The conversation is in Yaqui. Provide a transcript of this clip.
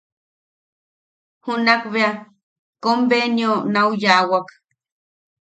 Junakbea kombenionau yaʼawak.